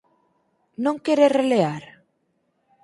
Non quere relear?